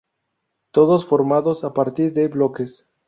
Todos formados a partir de bloques.